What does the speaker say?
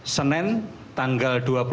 senin tanggal dua puluh